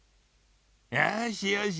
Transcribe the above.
よしよし